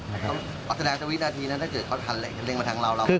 อัตตาแนวสวิทย์นาทีนั้นถ้าเกิดเขาผ่านเล็งมาทางเรา